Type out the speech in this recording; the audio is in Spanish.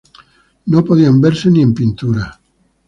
No podían verse ni en pintura